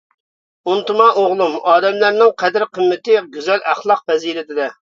ئۇنتۇما ئوغلۇم، ئادەملەرنىڭ قەدىر-قىممىتى گۈزەل ئەخلاق پەزىلىتىدە.